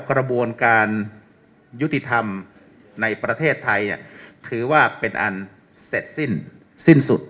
กระบวนการยุติธรรมในประเทศไทยถือว่าเป็นอันเสร็จสิ้นสิ้นสุด